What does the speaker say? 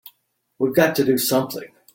We've got to do something!